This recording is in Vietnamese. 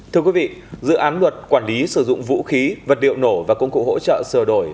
thưa quý vị dự án luật quản lý sử dụng vũ khí vật liệu nổ và công cụ hỗ trợ sửa đổi